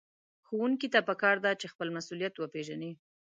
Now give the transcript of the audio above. ښوونکي ته پکار ده چې خپل مسؤليت وپېژني.